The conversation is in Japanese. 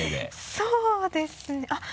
そうですねあっ。